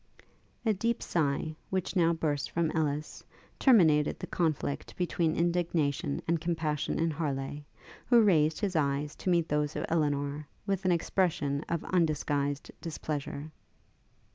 A deep sigh, which now burst from Ellis, terminated the conflict between indignation and compassion in Harleigh, who raised his eyes to meet those of Elinor, with an expression of undisguised displeasure.